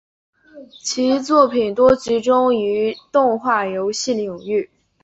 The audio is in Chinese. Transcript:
其作品多集中于动画游戏领域。